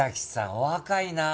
お若いなあ。